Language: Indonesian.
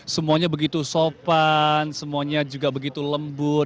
semuanya begitu sopan semuanya juga begitu lembut